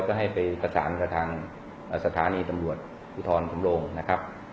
ก็ให้ไปประสานกับทางสถานีตำรวจภูทรขุมโลงนะครับ